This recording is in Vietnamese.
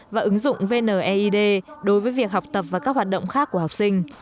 và ứng dụng vneid đối với việc học tập và các hoạt động khác của học sinh